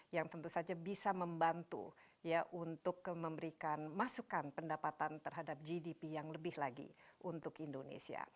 yang tentu saja bisa membantu ya untuk memberikan masukan pendapatan terhadap gdp yang lebih lagi untuk indonesia